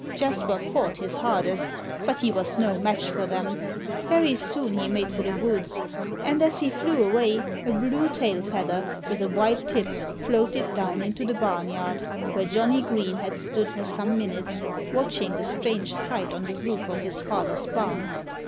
Jasper fought his hardest. But he was no match for them. Very soon he made for the woods; and as he flew away a blue tail feather with a white tip floated down into the barnyard, where Johnnie Green had stood for some minutes, watching the strange sight on the roof of his father's barn.